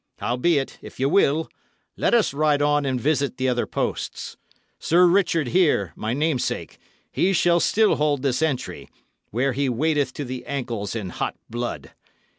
Howbeit, if ye will, let us ride on and visit the other posts. Sir Richard here, my namesake, he shall still hold this entry, where he wadeth to the ankles in hot blood.